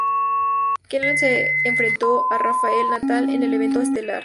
Kennedy se enfrentó a Rafael Natal en el evento estelar.